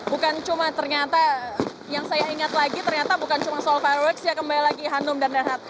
bukan cuma ternyata yang saya ingat lagi ternyata bukan cuma soal fireworks ya kembali lagi hanum dan rehat